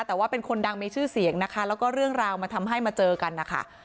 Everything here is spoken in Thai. แต่ว่าเป็นคนดังมีชื่อเสียงนะคะแล้วก็เรื่องราวมาทำให้มาเจอกันนะคะ